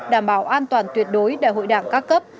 đảm bảo an toàn tuyệt đối đại hội đảng các cấp